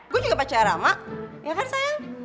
gue juga pacar rama ya kan saya